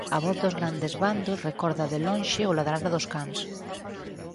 A voz dos grandes bandos recorda de lonxe o ladrar dos cans.